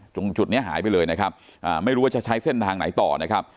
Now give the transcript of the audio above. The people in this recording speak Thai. ตรงจุดนี้หายไปเลยนะครับไม่รู้ว่าจะใช้เส้นทางไหนต่อนะครับ